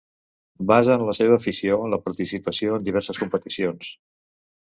Basen la seva afició en la participació en diverses competicions.